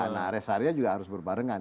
nah rest area juga harus berbarengan